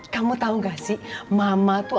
kamu tahu gak sih mama tuh